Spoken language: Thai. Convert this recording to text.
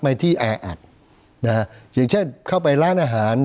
ไม่ที่แออัดนะครับเช่นเข้าไปร้านอาหาร